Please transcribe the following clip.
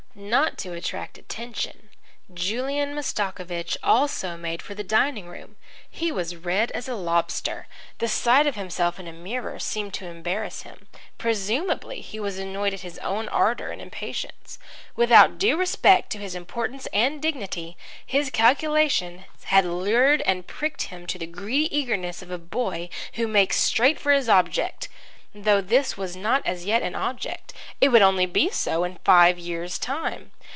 Not to attract attention, Julian Mastakovich also made for the dining room. He was red as a lobster. The sight of himself in a mirror seemed to embarrass him. Presumably he was annoyed at his own ardour and impatience. Without due respect to his importance and dignity, his calculations had lured and pricked him to the greedy eagerness of a boy, who makes straight for his object though this was not as yet an object; it only would be so in five years' time.